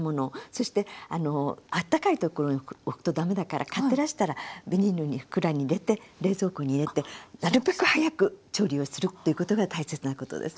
そしてあったかいところに置くと駄目だから買ってらしたらビニールの袋に入れて冷蔵庫に入れてなるべく早く調理をするっていうことが大切なことです。